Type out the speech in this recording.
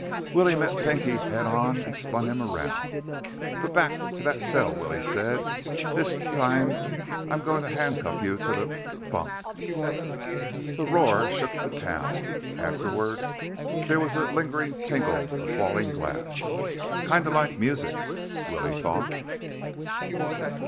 Willie met Pinky head on and spun him around. "B back to that cell," Willie said. "This t time, I'm going to handcuff you to the b bunk." The roar shook the town. Afterward, there was a lingering tinkle of falling glass. Kind of like music, Willie thought.